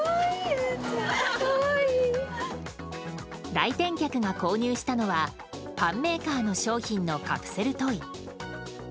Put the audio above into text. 来店客が購入したのはパンメーカーの商品のカプセルトイ。